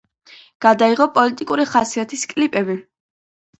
გადაიღო პოლიტიკური ხასიათის კლიპები.